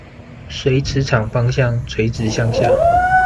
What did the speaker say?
隨磁場方向垂直向下